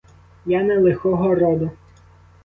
Я не лихого роду.